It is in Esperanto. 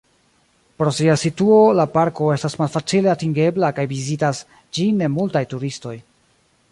Pro sia situo la parko estas malfacile atingebla kaj vizitas ĝin ne multaj turistoj.